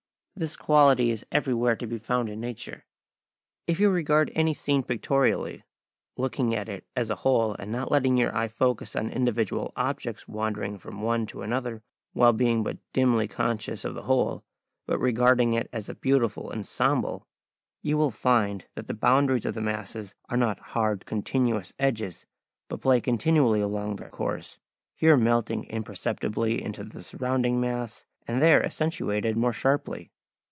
This quality is everywhere to be found in nature. If you regard any scene pictorially, looking at it as a whole and not letting your eye focus on individual objects wandering from one to another while being but dimly conscious of the whole, but regarding it as a beautiful ensemble; you will find that the boundaries of the masses are not hard continuous edges but play continually along their course, here melting imperceptibly into the surrounding mass, and there accentuated more sharply.